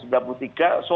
kemudian kemudian makan ya